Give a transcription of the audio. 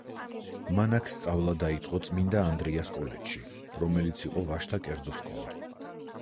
მან სწავლა დაიწყო წმინდა ანდრიას კოლეჯში რომელიც იყო ვაჟთა კერძო სკოლა.